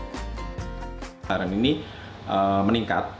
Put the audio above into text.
pembelian foto di jawa tengah ini meningkat